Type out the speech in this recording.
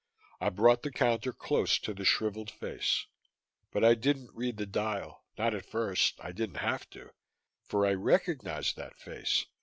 I brought the counter close to the shriveled face But I didn't read the dial, not at first. I didn't have to. For I recognized that face.